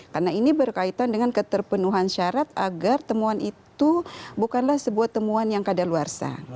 karena ini berkaitan dengan keterpenuhan syarat agar temuan itu bukanlah sebuah temuan yang kadaluarsa